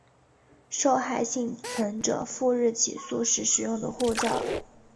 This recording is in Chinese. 受害幸存者赴日起诉时使用的护照